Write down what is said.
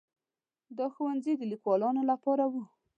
دا ښوونځي د لیکوالانو لپاره وو.